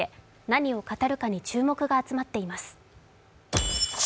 何を語るか注目が集まっています。